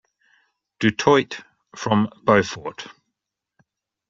Du Toit from Beaufort.